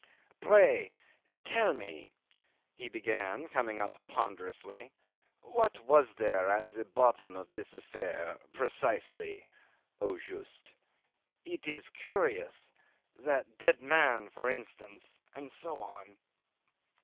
"Pray tell me," he began, coming up ponderously, "what was there at the bottom of this affair precisely (au juste)? It is curious. That dead man, for instance and so on."